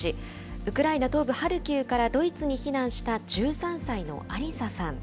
ウクライナ東部ハルキウからドイツに避難した１３歳のアリサさん。